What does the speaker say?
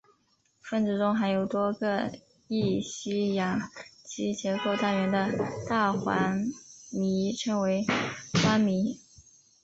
分子中含有多个乙烯氧基结构单元的大环醚称为冠醚。